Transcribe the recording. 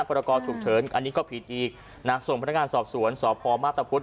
พระรกอฉุกเฉินอันนี้ก็ผิดอีกนักส่งพนักงานสอบสวนสอบภอมมาตรภุต